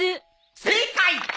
正解！